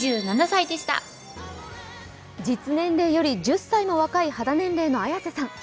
実年齢より１０歳も若い肌年齢の綾瀬さん。